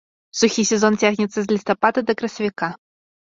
Сухі сезон цягнецца з лістапада да красавіка.